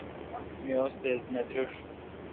می استیز نہ دریݭ۔